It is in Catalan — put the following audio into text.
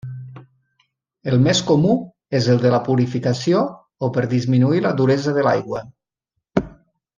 El més comú és el de purificació o per disminuir la duresa de l'aigua.